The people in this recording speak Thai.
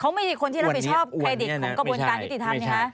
เขาไม่ใช่คนที่นำผิดชอบเครดิตของกระบวนการยุติธรรมนี่คะ